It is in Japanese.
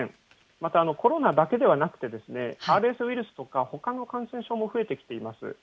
また、コロナだけではなくて、ＲＳウイルスとか、ほかの感染症も増えてきています。